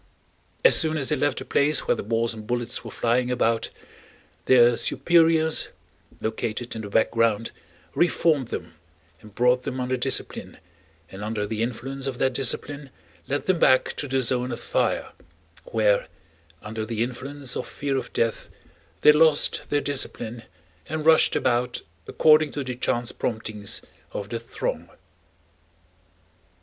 As soon as they left the place where the balls and bullets were flying about, their superiors, located in the background, re formed them and brought them under discipline and under the influence of that discipline led them back to the zone of fire, where under the influence of fear of death they lost their discipline and rushed about according to the chance promptings of the throng.